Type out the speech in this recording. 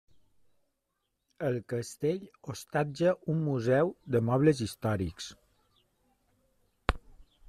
El castell hostatja un museu de mobles històrics.